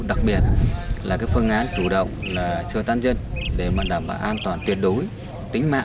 đặc biệt là phương án chủ động là sơ tăng dân để đảm bảo an toàn tuyệt đối